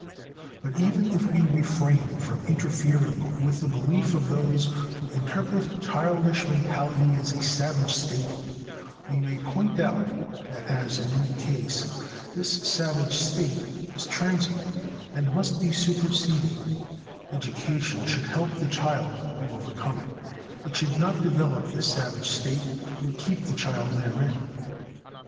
But even if we refrain from interfering with the belief of those who interpret childish mentality as "a savage state," we may point out that as, in any case, this savage state is transient, and must be superseded, education should help the child to overcome it; it should not develop the savage state, nor keep the child therein.